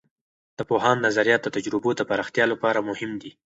د پوهاند نظریات د تجربو د پراختیا لپاره مهم دي.